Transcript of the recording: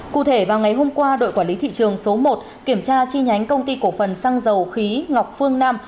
cụ thể vào ngày hôm qua đội quản lý thị trường số một kiểm tra chi nhánh công ty cổ phần xăng dầu khí ngọc phương nam